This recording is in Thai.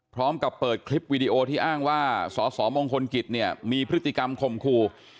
พร้อมกับเปิดคลิปวิดีโอที่อ้างว่าสสมงคลกิจเนี่ยมีพฤติกรรมคมครู